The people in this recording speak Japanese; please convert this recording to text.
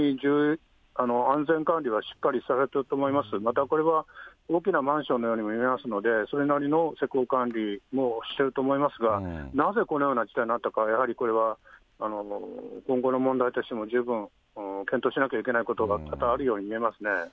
またこれは、大きなマンションのようにも見えますので、それなりの施工管理もしていると思いますが、なぜこのような事態になったのか、やはりこれは今後の問題としても、十分検討しなきゃいけないことが多々あるように見えますね。